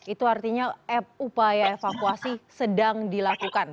itu artinya upaya evakuasi sedang dilakukan